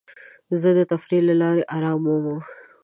زه د تفریح له لارې ارام مومم.